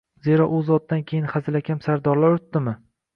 Zero, u zotdan keyin hazilakam sardorlar o‘tdimi?!.